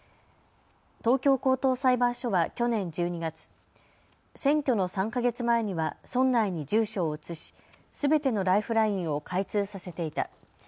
東京高等裁判所は去年１２月、選挙の３か月前には村内に住所を移しすべてのライフラインを開通させていた。